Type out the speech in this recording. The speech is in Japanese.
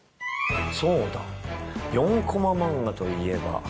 そうだ４コマ漫画といえば。